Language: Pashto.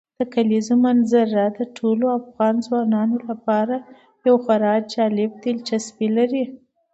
د کلیزو منظره د ټولو افغان ځوانانو لپاره یوه خورا جالب دلچسپي لري.